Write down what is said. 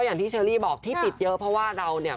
อย่างที่เชอรี่บอกที่ติดเยอะเพราะว่าเราเนี่ย